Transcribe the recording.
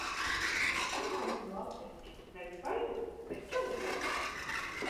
Runāsim latviski! Nevis haizivs, bet čau, zivs!